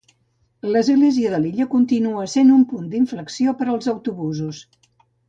L'església de l'illa continua sent un punt d'inflexió per als autobusos.